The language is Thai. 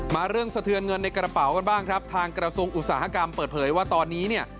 เรื่องสะเทือนเงินในกระเป๋ากันบ้างครับทางกระทรวงอุตสาหกรรมเปิดเผยว่าตอนนี้เนี่ย